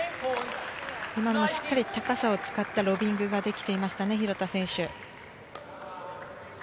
今のもしっかり高さを生かしたロビングができてましたね廣田選手。